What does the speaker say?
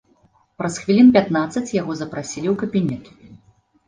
Праз хвілін пятнаццаць яго запрасілі ў кабінет.